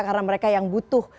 karena mereka yang butuh